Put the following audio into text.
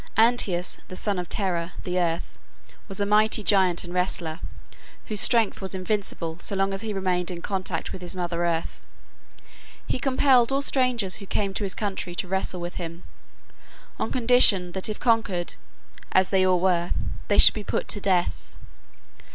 Antaeus, the son of Terra, the Earth, was a mighty giant and wrestler, whose strength was invincible so long as he remained in contact with his mother Earth. He compelled all strangers who came to his country to wrestle with him, on condition that if conquered (as they all were) they should be put to death.